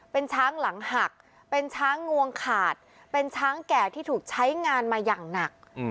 เป็นช้างหลังหักเป็นช้างงวงขาดเป็นช้างแก่ที่ถูกใช้งานมาอย่างหนัก